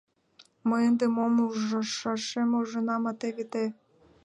Мый ынде мом ужшашем ужынам, а теве те...